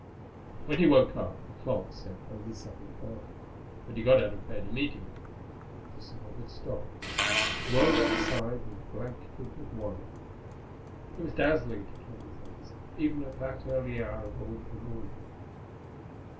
When he woke up, the clock said only seven thirty, but he got out of bed immediately. The snow had stopped. The world outside was blanketed with white. It was dazzling to Ken's eyes, even at that early hour of a winter morning.